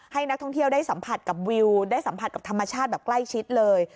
ให้นักท่องเที่ยวได้สัมผัสกับวิวได้สัมผัสกับธรรมชาติแบบใกล้ชิดเลย